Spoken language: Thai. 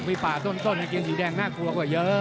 ไม่ปลาต้นให้กินสีแดงน่ากลัวกว่าเยอะ